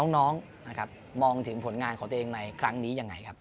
น้องนะครับมองถึงผลงานของตัวเองในครั้งนี้ยังไงครับ